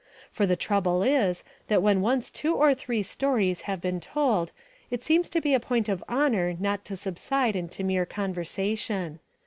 For the trouble is that when once two or three stories have been told it seems to be a point of honour not to subside into mere conversation.